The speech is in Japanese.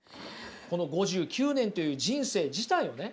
この５９年という人生自体をね